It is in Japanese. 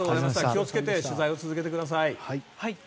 気を付けて取材を続けてください。